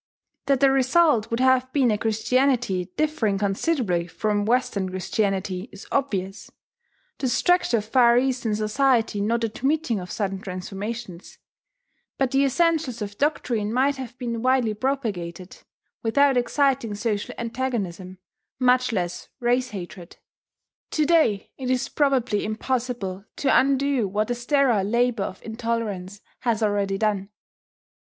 That the result would have been a Christianity differing considerably from Western Christianity is obvious, the structure of Far Eastern society not admitting of sudden transformations; but the essentials of doctrine might have been widely propagated, without exciting social antagonism, much less race hatred. To day it is probably impossible to undo what the sterile labour of intolerance has already done.